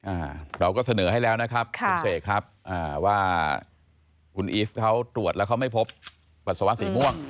อ่าเราก็เสนอให้แล้วนะครับค่ะคุณเสกครับอ่าว่าคุณอีฟเขาตรวจแล้วเขาไม่พบปัสสาวะสีม่วง